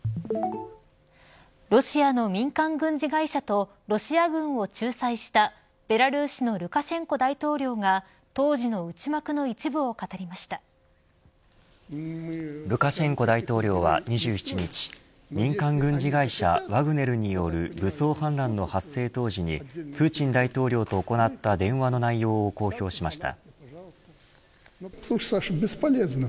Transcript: ロシアの民間軍事会社とロシア軍を仲裁したベラルーシのルカシェンコ大統領がルカシェンコ大統領は２７日民間軍事会社ワグネルによる武装反乱の発生当時にプーチン大統領と行った電話の内容を公表しました。